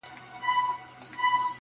هر یو توری د غزل مي له مغان سره همزولی -